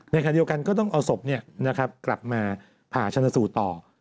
ขณะเดียวกันก็ต้องเอาศพกลับมาผ่าชนสูตรต่อ